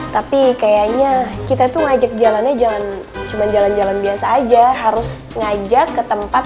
tapi kayaknya kita tuh ngajak jalannya jangan cuma jalan jalan biasa aja harus ngajak ke tempat